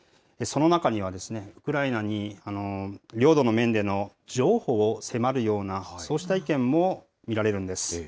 その中には、ウクライナに領土の面での譲歩を迫るような、そうした意見も見られるんです。